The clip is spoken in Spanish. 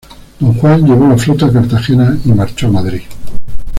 Don Juan llevó la flota a Cartagena y marchó a Madrid.